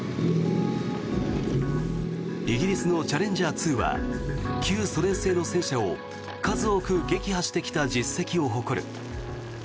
イギリスのチャレンジャー２は旧ソ連製の戦車を数多く撃破してきた実績を誇る。